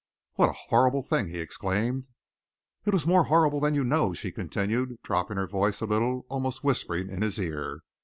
"What a horrible thing!" he exclaimed. "It was more horrible than you know," she continued, dropping her voice a little, almost whispering in his ear.